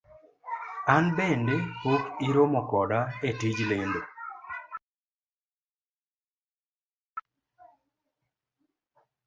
An bende pok iromo koda e tij lendo.